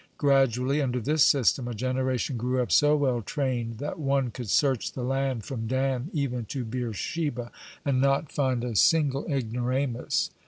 Gradually, under this system, a generation grew up so well trained that one could search the land from Dan even to Beer sheba and not find a single ignoramus.